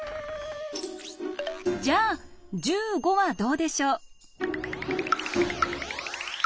じゃあ１５はどうでしょう？